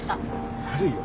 悪いよ。